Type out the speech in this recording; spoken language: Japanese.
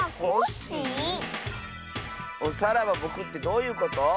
さらばぼくってどういうこと？